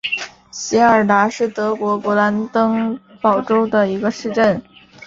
席尔达是德国勃兰登堡州的一个市镇。